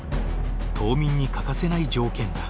冬眠に欠かせない条件だ。